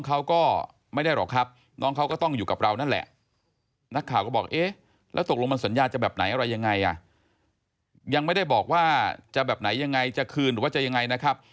ใครจะคืนหรือว่าจะยังไงนะครับ